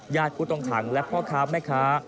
แย่กุฏองทั้งและพ่อคร้าวแม่ข้า